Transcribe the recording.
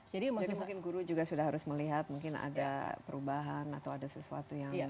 mungkin guru juga sudah harus melihat mungkin ada perubahan atau ada sesuatu yang